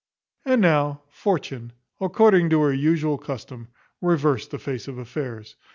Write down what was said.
And now, Fortune, according to her usual custom, reversed the face of affairs.